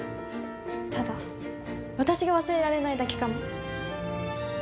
ただ私が忘れられないだけかも。